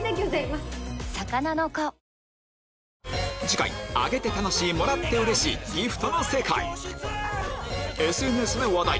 次回あげて楽しいもらってうれしいギフトの世界ＳＮＳで話題！